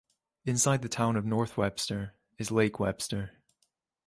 Inside the town of North Webster is Lake Webster.